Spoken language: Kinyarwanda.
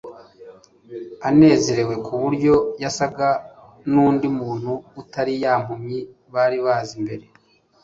anezerewe ku buryo yasaga n'undi muntu utari ya mpumyi bari bazi mbere.